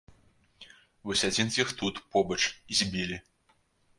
Вось адзін з іх тут, побач, і збілі.